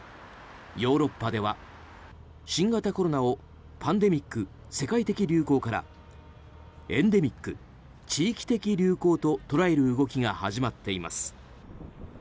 ヨーロッパでは新型コロナをパンデミック・世界的流行からエンデミック・地域的流行と捉える動きが始まっています。